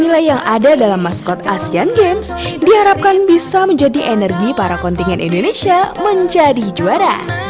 nilai yang ada dalam maskot asean games diharapkan bisa menjadi energi para kontingen indonesia menjadi juara